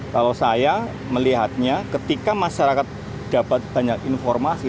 kalau saya melihatnya ketika masyarakat dapat banyak informasi